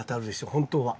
本当は。